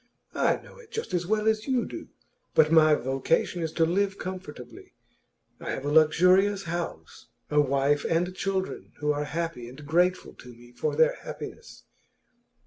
I know it just as well as you do. But my vocation is to live comfortably. I have a luxurious house, a wife and children who are happy and grateful to me for their happiness.